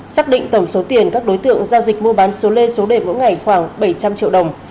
xác định tổng số tiền các đối tượng giao dịch mua bán số lê số đề mỗi ngày khoảng bảy trăm linh triệu đồng